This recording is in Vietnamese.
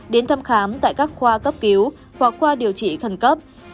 đến thăm khám tại các khoa cấp cứu hoặc khoa điều trị khẩn cấp